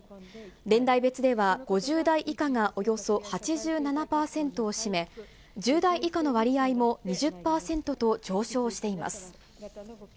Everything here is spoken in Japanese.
年代別では５０代以下がおよそ８７％を占め、１０代以下の割合も２０％と上昇しています。